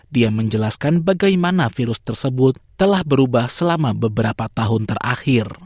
dia menjelaskan bagaimana virus tersebut telah berubah selama beberapa tahun terakhir